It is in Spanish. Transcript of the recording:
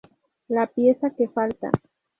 La pieza que falta".